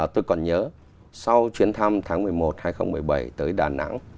tôi còn nhớ sau chuyến thăm tháng một mươi một hai nghìn một mươi bảy tới đà nẵng